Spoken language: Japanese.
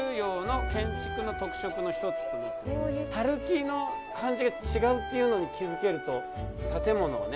垂木の感じが違うっていうのに気付けると建物をね。